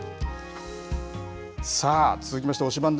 さあ、続きまして推しバン！